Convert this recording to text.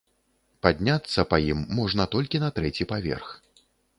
Падняцца па ім можна толькі на трэці паверх.